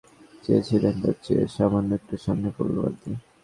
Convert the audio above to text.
নুয়ান প্রদীপ যেখানে ফেলতে চেয়েছিলেন, তার চেয়ে সামান্য একটু সামনে পড়ল বলটি।